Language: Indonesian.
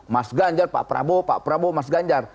mas ganjar pak prabowo pak prabowo mas ganjar